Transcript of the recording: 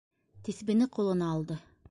Тиҫбене ҡулына алды: